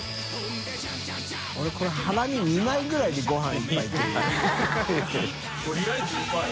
このハラミ２枚ぐらいでごはん１杯いけるな。